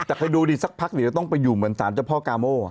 แต่คอยดูสักพักนี่ต้องไปอยู่เหมือนสารเจ้าพ่อกาโม่